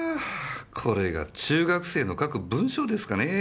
これが中学生の書く文章ですかねぇ。